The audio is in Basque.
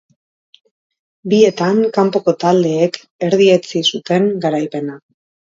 Bietan kanpoko taldeek erdietsi zuten garaipena.